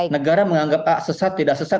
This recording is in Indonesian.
negara menganggap sesat tidak sesat